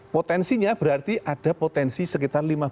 potensinya berarti ada potensi sekitar lima belas meter tsunami